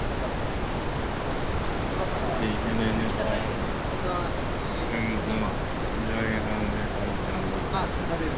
The defendant on whom the jury had deadlocked was Cazares.